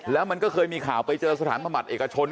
แล้วมันก็เคยมีข่าวไปเจอสถานบำบัติเอกชน